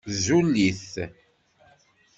Zul-it!